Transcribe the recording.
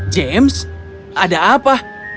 james ada apa